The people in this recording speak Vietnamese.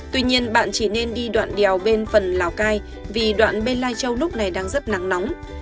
tuy nhiên bạn chỉ nên đi đoạn đèo bên phần lào cai vì đoạn bên lai châu lúc này đang rất nắng nóng